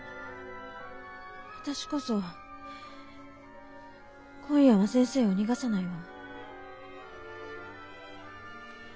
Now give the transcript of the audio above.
私こそ今夜は先生を逃がさないわ。